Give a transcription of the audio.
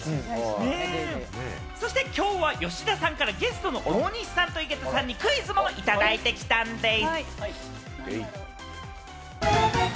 そして、きょうは吉田さんからゲストの大西さんと井桁さんにクイズもいただいてきたんでぃす！